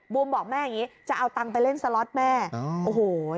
บอกแม่อย่างนี้จะเอาตังค์ไปเล่นสล็อตแม่โอ้โห